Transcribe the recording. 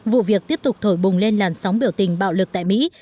vụ việc tiếp tục thổi bùng lên làn sóng biểu tình bạo lực tại mỹ